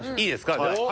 いいですか？